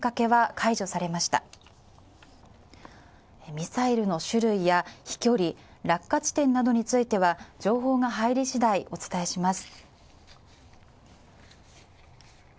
ミサイルの種類や飛距離、落下地点などについては情報が入りしだい、お伝えします。